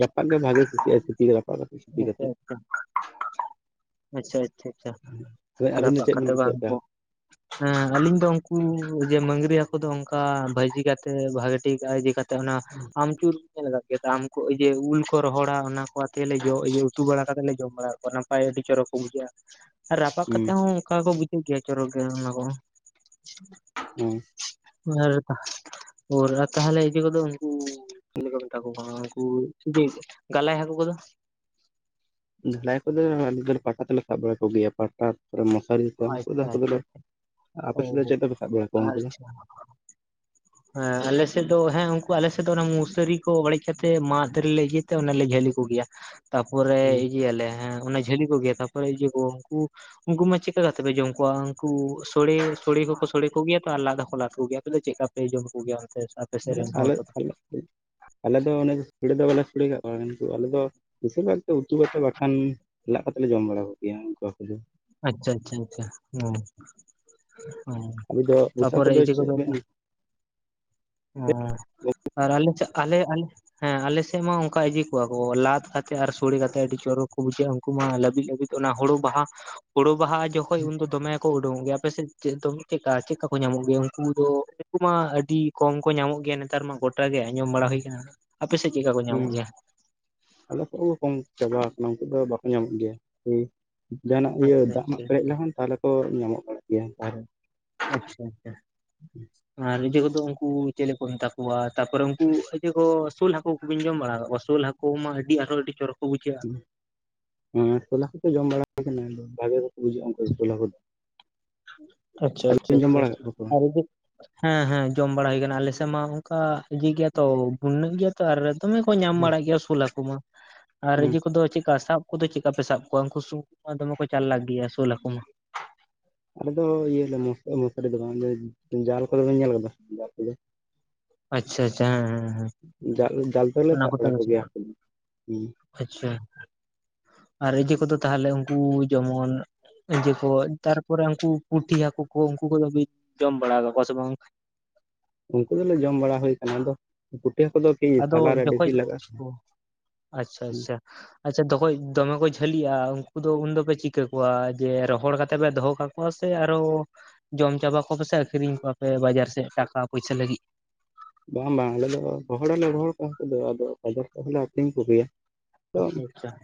ᱨᱟᱯᱟᱜ ᱜᱮ ᱵᱷᱟᱜᱤ ᱠᱩᱥᱤᱜᱼᱟ ᱥᱤᱯᱤ ᱨᱟᱯᱟᱜ ᱠᱟᱛᱮ ᱥᱤᱯᱤ ᱟᱪᱪᱷᱟ ᱠᱟᱛᱮᱜ᱾ ᱟᱪᱪᱷᱟ ᱟᱪᱪᱷᱟ ᱟᱪᱪᱷᱟ ᱟᱵᱤᱱ ᱫᱚ ᱨᱟᱯᱟᱜ ᱪᱮᱫ ᱠᱟᱛᱮ ᱵᱤᱱ ᱵᱟᱝ ᱠᱩᱥᱤᱭᱟᱜ ᱛᱮ ᱦᱮᱸ ᱟᱞᱤᱧ ᱫᱚ ᱩᱝᱠᱩ ᱡᱮ ᱢᱝᱨᱤ ᱦᱟᱹᱠᱩ ᱫᱚ ᱚᱝᱠᱟ ᱵᱷᱟᱹᱡᱤ ᱠᱟᱛᱮ ᱵᱷᱟᱜᱤ ᱴᱷᱤᱠ ᱟᱭᱡᱤ ᱠᱟ ᱚᱱᱟ ᱟᱢᱪᱩᱨ ᱠᱚ ᱧᱮᱞ ᱠᱟᱜ ᱠᱮᱭᱟ ᱛᱚ ᱩᱞ ᱠᱚ ᱨᱚᱦᱚᱲᱟ ᱚᱱᱟ ᱮᱱᱟ ᱛᱮᱜᱮᱞᱮ ᱡᱚ ᱤᱭᱟᱹ ᱩᱛᱩ ᱵᱟᱲᱟ ᱠᱟᱛᱮᱜ ᱞᱮ ᱡᱚᱢ ᱵᱟᱲᱟ ᱠᱟᱜ ᱠᱚᱣᱟ, ᱱᱟᱯᱟᱭ ᱟᱹᱰᱤ ᱪᱚᱨᱚᱠ ᱠᱚ ᱵᱩᱡᱷᱟᱹᱜᱼᱟ᱾ ᱨᱟᱯᱟᱜ ᱠᱟᱛᱮ ᱦᱩᱸ ᱦᱚᱸ ᱚᱝᱠᱟ ᱠᱚ ᱵᱩᱡᱷᱟᱹᱜ ᱜᱮᱭᱟ ᱪᱚᱨᱚᱠ ᱜᱮ ᱚᱱᱟ ᱠᱚᱦᱚᱸ᱾ ᱦᱩᱸ ᱢᱟᱨᱮᱛᱟ, ᱛᱟᱦᱚᱼᱞᱮ ᱤᱡᱮ ᱠᱚ ᱫᱚ ᱩᱱᱠᱩ ᱪᱮᱫ ᱞᱮᱠᱟ ᱢᱮᱛᱟ ᱠᱚ ᱠᱟᱱᱟ ᱩᱱ ᱠᱩ ᱵᱤᱥ ᱠᱟᱞᱟᱭ ᱦᱟᱠᱩ ᱠᱚᱫᱚ ᱡᱷᱟᱞᱟᱭ ᱠᱚᱫᱚ ᱟᱞᱮ ᱫᱚ ᱯᱟᱴᱟ ᱛᱮᱞᱮ ᱥᱟᱵ ᱵᱟᱲᱟ ᱠᱚ ᱜᱮᱭᱟ ᱯᱟᱴᱟ ᱢᱚᱥᱟᱨᱤ ᱩᱱᱠᱩ ᱫᱚ ᱟᱪᱪᱷᱟ ᱦᱟᱠᱩ ᱫᱚ ᱟᱪᱪᱷᱟ ᱞᱮ ᱟᱯᱮ ᱥᱮᱫ ᱫᱚ ᱚ ᱪᱮᱫ ᱛᱮ ᱯᱮ ᱥᱟᱵ ᱵᱟᱲᱟ ᱠᱚᱣᱟ ᱩᱱᱠᱩ ᱫᱚ ᱟᱪᱪᱷᱟ ᱦᱮᱸ ᱟᱞᱮᱥᱮᱜ ᱫᱚ ᱦᱮᱸ ᱩᱱᱠᱩ ᱟᱞᱮᱥᱮᱜ ᱫᱚ ᱚᱱᱟ ᱢᱚᱥᱟᱹᱨᱤ ᱠᱚ ᱚᱹᱲᱮᱡ ᱠᱟᱛᱮ ᱢᱟᱫᱽ ᱨᱮᱞᱮ ᱤᱭᱟᱹ ᱛᱮ ᱚᱱᱮ ᱡᱷᱟᱹᱞᱤ ᱠᱚᱜ ᱜᱮᱭᱟ ᱛᱟᱯᱚᱨᱮ ᱦᱮᱸ ᱤᱭᱟᱹᱞᱮ ᱦᱮᱸ ᱚᱱᱮ ᱡᱷᱟᱹᱞᱤ ᱠᱚ ᱜᱮᱭᱟ ᱛᱟᱯᱚᱨ ᱤᱭᱟᱹ ᱠᱚ ᱩᱱᱠᱩ, ᱩᱝᱠᱩ ᱢᱟ ᱪᱮᱜᱠᱟ ᱠᱟᱛᱮ ᱯᱮ ᱡᱚᱢ ᱠᱚᱣᱟ ᱩᱝᱠᱩ ᱥᱚᱲᱮ ᱥᱚᱲᱮ ᱠᱚᱠᱚ ᱥᱚᱲᱮ ᱠᱚᱜᱮᱭᱟ ᱛᱚ ᱟᱨ ᱞᱟᱫ ᱦᱚᱸᱠᱚ ᱞᱟᱫ ᱠᱚᱜᱮᱭᱟ ᱟᱯᱮ ᱫᱚ ᱪᱮᱜᱠᱟ? ᱵᱟᱯᱮ ᱡᱚᱢ ᱠᱚᱜᱮᱭᱟ ᱚᱱᱛᱮ ᱥᱟᱯ, ᱟᱞᱮ ᱟᱞᱮ ᱫᱚ ᱚᱱᱮ ᱥᱚᱲᱮ ᱫᱚ ᱵᱟᱞᱮ ᱥᱚᱲᱮ ᱠᱟᱫ ᱠᱚᱣᱟ ᱠᱤᱱᱛᱩ ᱟᱞᱮ ᱫᱚ ᱵᱮᱥᱤᱨ ᱵᱷᱟᱜᱛᱮ ᱩᱛᱩ ᱠᱟᱛᱮᱜ ᱵᱟᱠᱷᱟᱱ ᱞᱟᱜ ᱠᱟᱛᱮ ᱞᱮ ᱡᱚᱢ ᱵᱟᱲᱟ ᱠᱚᱜᱮᱭᱟ ᱩᱝᱠᱩ ᱦᱟᱹᱠᱩ ᱫᱚ᱾ ᱟᱪᱪᱷᱟ ᱟᱪᱪᱷᱟ ᱟᱪᱪᱷᱟ ᱦᱩᱸ ᱦᱚᱸ ᱟᱵᱚ ᱫᱚ ᱵᱚᱥᱟ ᱛᱟᱯᱚᱨᱮ ᱤᱭᱟᱹ ᱪᱮᱫ ᱠᱚᱫᱚ ᱵᱮᱱ ᱠᱚ ᱚ ᱟᱞᱮ ᱟᱞᱮ ᱟᱞᱮ ᱦᱮᱸ ᱟᱞᱮᱥᱮᱜ ᱢᱟ ᱚᱝᱠᱟ ᱤᱭᱟᱹ ᱠᱚᱣᱟ ᱠᱚ ᱞᱟᱫ ᱠᱟᱛᱮᱜ ᱟᱨ ᱥᱚᱲᱮ ᱠᱟᱛᱮᱜ ᱟᱹᱰᱤ ᱪᱚᱨᱚᱠ ᱠᱚ ᱵᱩᱡᱷᱟᱹᱜᱼᱟ, ᱩᱝᱠᱩ ᱢᱟ ᱞᱟᱹᱵᱤᱜ ᱞᱟᱹᱵᱤᱜ ᱚᱱᱟ ᱦᱳᱲᱩ ᱵᱟᱦᱟ ᱦᱳᱲᱩ ᱵᱟᱦᱟ ᱡᱚᱠᱷᱚᱡ ᱩᱱᱫᱚ ᱫᱚᱢᱮ ᱠᱚ ᱩᱰᱩᱝᱚᱜ ᱜᱮᱭᱟ ᱟᱯᱮᱥᱮᱜ ᱪᱮᱫ ᱪᱮᱜᱠᱟ ᱪᱮᱜᱠᱟ ᱠᱚ ᱧᱟᱢᱚᱜ ᱜᱮᱭᱟ? ᱩᱝᱠᱩ ᱫᱚ ᱩᱝᱠᱩ ᱢᱟ ᱟᱹᱰᱤ ᱠᱚᱢ ᱠᱚ ᱧᱟᱢᱚᱜ ᱜᱮᱭᱟ ᱱᱮᱛᱟᱨ ᱢᱟ ᱜᱚᱴᱟ ᱜᱮ ᱟᱸᱡᱚᱢ ᱵᱟᱲᱟ ᱦᱩᱭ ᱟᱠᱟᱱᱟ ᱟᱯᱮ ᱥᱮᱫ ᱪᱮᱫ ᱠᱟ ᱠᱚ ᱧᱟᱢᱚᱜ ᱦᱮᱸ ᱜᱮᱭᱟ᱾ ᱟᱞᱮ ᱥᱮ ᱠᱚᱢ ᱪᱟᱵᱟ ᱟᱠᱟᱱᱟ ᱩᱱᱠᱩ ᱫᱚ ᱵᱟᱠᱚ ᱧᱟᱢᱚᱜ ᱜᱮᱭᱟ᱾ ᱡᱟᱸᱦᱟᱱᱟᱜ ᱤᱭᱟᱹ ᱟᱪᱪᱷᱟ ᱫᱟᱜ ᱢᱟᱜ ᱯᱮᱨᱮᱡ ᱟᱪᱪᱷᱟ ᱞᱮᱠᱷᱟᱱ ᱛᱟᱦᱞᱮ ᱠᱚ ᱧᱟᱢᱚᱜ ᱵᱟᱲᱟᱜ ᱜᱮᱭᱟᱮ ᱛᱟᱦᱚᱞᱮ᱾ ᱟᱪᱪᱷᱟ ᱟᱪᱪᱷᱟ᱾ ᱟᱨ ᱤᱡᱮ ᱠᱚᱫᱚ ᱩᱱᱠᱩ ᱪᱮᱞᱮ ᱠᱚ ᱢᱮᱛᱟ ᱠᱚᱣᱟ ᱛᱟᱯᱚᱨᱮ ᱩᱱᱠᱩ ᱤᱡᱮ ᱠᱚ ᱥᱩᱞ ᱦᱟᱹᱠᱩ ᱠᱚᱜᱤᱧ ᱡᱚᱢ ᱵᱟᱲᱟ ᱟᱠᱟᱟᱜ ᱠᱚᱣᱟ ᱥᱩᱞ ᱦᱟᱹᱠᱩ ᱟᱠᱚ ᱢᱟ ᱟᱹᱰᱤ ᱟᱨᱚ ᱟᱹᱰᱤ ᱪᱚᱨᱚᱠ ᱠᱚ ᱵᱩᱡᱷᱟᱹᱜᱼᱟ᱾ ᱦᱮᱸ ᱥᱳᱞ ᱦᱟᱠᱳ ᱠᱚ ᱡᱚᱢ ᱵᱟᱲᱟ ᱠᱟᱱᱟ ᱵᱷᱟᱜᱮ ᱵᱟᱠᱚ ᱵᱩᱡᱟᱹᱜᱼᱟ ᱩᱱᱠᱩ ᱫᱚ ᱥᱳᱞ ᱠᱚᱫᱚ᱾ ᱟᱪᱪᱷᱟ ᱟᱪᱪᱷᱟ ᱡᱚᱢ ᱟᱪᱪᱷᱟ ᱵᱟᱲᱟ ᱠᱟᱜ ᱠᱚᱣᱟ ᱥᱮ ᱵᱟᱝ? ᱟᱨ ᱦᱮᱸ ᱦᱮᱸ ᱡᱚᱢ ᱵᱟᱲᱟ ᱦᱩᱭ ᱟᱠᱟᱱᱟ ᱟᱞᱮ ᱥᱮᱫ ᱢᱟ ᱚᱱᱠᱟ ᱤᱭᱟᱹ ᱜᱮᱭᱟ ᱛᱚ ᱵᱱᱹ ᱜᱮᱭᱟ ᱛᱚ ᱟᱨ ᱫᱚᱢᱮ ᱠᱚ ᱧᱟᱢ ᱵᱟᱲᱟᱜ ᱜᱮᱭᱟ ᱥᱩᱞ ᱦᱟᱠᱩ ᱢᱟ᱾ ᱟᱨ ᱦᱮᱸ ᱨᱮᱡᱮ ᱠᱚᱫᱚ ᱪᱮᱫᱠᱟ ᱥᱟᱵ ᱠᱚᱫᱚ ᱪᱮᱫᱮᱠᱟ ᱯᱮ ᱥᱟᱵ ᱠᱚᱣᱟ ᱩᱱᱠᱩ ᱥ ᱠᱚ ᱫᱚᱢᱮ ᱠᱚ ᱪᱟᱨᱞᱟ ᱜᱮᱭᱟ ᱥᱩᱞ ᱦᱟᱠᱩ ᱢᱟ᱾ ᱟᱞᱮ ᱫᱚ ᱤᱭᱟᱹᱞᱮ ᱢᱚ ᱢᱚᱥᱟᱨᱤ ᱫᱚᱵᱟᱝ ᱡᱟᱞ ᱠᱚᱫᱚᱞᱮ ᱧᱮᱞ ᱟᱠᱟᱫᱟ ᱡᱟᱞ ᱠᱚᱫᱚ ᱟᱪᱷᱟ ᱟᱪᱷᱟ ᱦᱮᱸ ᱦᱮᱸᱮᱸ ᱡᱟᱞ ᱡᱟᱞ ᱛᱮᱞᱮ ᱥᱟᱵ ᱵᱟᱲᱟ ᱠᱚᱜᱮᱭᱟ ᱦᱟᱹᱠᱩ ᱫᱚ ᱦᱮᱸ ᱟᱪᱪᱷᱟ ᱟᱨ ᱤᱡᱮ ᱠᱚᱫᱚ ᱛᱟᱦᱚᱞᱮ ᱩᱱᱠᱩ ᱡᱮᱢᱚᱱ ᱡᱮ ᱠᱚ ᱛᱟᱨᱯᱚᱨᱮ ᱩᱱᱠᱩ ᱯᱩᱴᱷᱤ ᱦᱟᱹᱠᱩ ᱠᱚ ᱩᱱᱠᱩ ᱠᱚ ᱡᱚᱢ ᱵᱟᱲᱟ ᱠᱟᱠᱚᱣᱟ ᱥᱮ ᱵᱟᱝ? ᱩᱱᱠᱩ ᱫᱚᱞᱮ ᱡᱚᱢ ᱵᱟᱲᱟ ᱦᱩᱭ ᱟᱠᱟᱱᱟ ᱟᱫᱚ ᱯᱩᱸᱴᱷᱤᱟᱹ ᱦᱟᱠᱩ ᱫᱚ ᱟᱫᱚ ᱯᱷᱚᱞᱟᱨ ᱵᱮᱥᱤ ᱡᱚᱠᱷᱚᱡ ᱞᱟᱜᱟ ᱟ ᱟᱪᱷᱟ ᱫᱚᱠᱷᱚᱡ ᱫᱚᱢᱮ ᱠᱚ ᱡᱷᱟᱹᱞᱤᱜᱼᱟ ᱩᱱᱠᱩ ᱫᱚ ᱩᱱ ᱫᱚᱯᱮ ᱪᱤᱠᱟᱹ ᱠᱚᱣᱟ ᱡᱮ ᱨᱚᱦᱚᱲ ᱠᱟᱛᱮ ᱯᱮ ᱫᱚᱦᱚ ᱠᱟᱜᱣᱟ ᱠᱚᱣᱟ ᱥᱮ ᱟᱨᱚ ᱡᱚᱢ ᱪᱟᱵᱟ ᱠᱚᱜ ᱯᱮ ᱥᱮ ᱟᱹᱠᱷᱨᱤᱧ ᱠᱚᱣᱟᱯᱮ ᱵᱟᱡᱟᱨ ᱥᱮᱫ ᱴᱟᱠᱟ ᱯᱩᱭᱥᱟ ᱞᱟᱹᱜᱤᱫ ᱵᱟᱝ ᱵᱟᱝ ᱟᱞᱮ ᱫᱚ ᱨᱚᱦᱚᱲᱮ ᱨᱚᱦᱚᱲ ᱠᱚᱣᱟ ᱦᱟᱠᱳ ᱫᱚ ᱵᱟᱡᱟᱨ ᱠᱚᱦᱞᱮ ᱟᱠᱷᱨᱤᱧ ᱠᱚ ᱜᱮᱭᱟ᱾ [unintelligible] ᱟᱪᱪᱷᱟ ᱟᱪᱪᱷᱟ